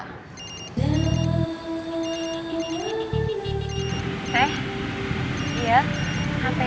eh iya hp nya kenapa bunyi